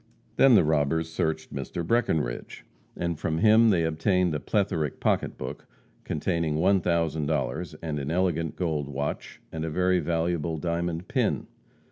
Then the robbers searched Mr. Breckenridge, and from him they obtained a plethoric pocketbook, containing one thousand dollars, and an elegant gold watch, and a very valuable diamond pin.